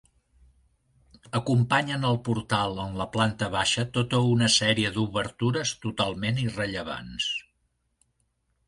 Acompanyen el portal en la planta baixa tota una sèrie d'obertures totalment irrellevants.